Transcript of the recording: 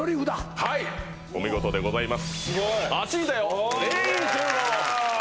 すごいお見事でございます